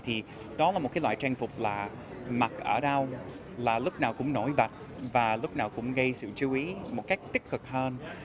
thì đó là một cái loại trang phục là mặc ở đâu là lúc nào cũng nổi bật và lúc nào cũng gây sự chú ý một cách tích cực hơn